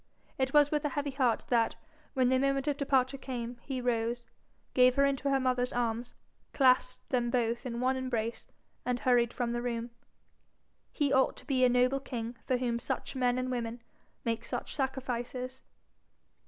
It was with a heavy heart that, when the moment of departure came, he rose, gave her into her mother's arms, clasped them both in one embrace, and hurried from the room. He ought to be a noble king for whom such men and women make such sacrifices.